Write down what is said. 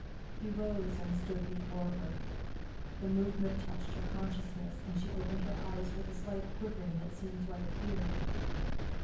He rose and stood before her. The movement touched her consciousness, and she opened her eyes with a slight quivering that seemed like fear.